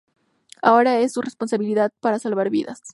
Ahora es su responsabilidad para salvar sus vidas.